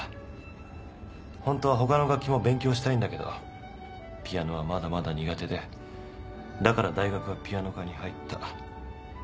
ホントはほかの楽器も勉強したいんだけどピアノはまだまだ苦手でだから大学はピアノ科に入った。